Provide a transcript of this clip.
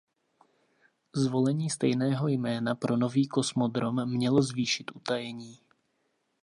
Zvolení stejného jména pro nový kosmodrom mělo zvýšit utajení.